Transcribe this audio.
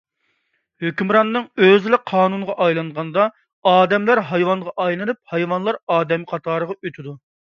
ھۆكۈمراننىڭ ئۆزىلا قانۇنغا ئايلانغاندا، ئادەملەر ھايۋانغا ئايلىنىپ، ھايۋانلار ئادەملەر قاتارىغا ئۆتىدۇ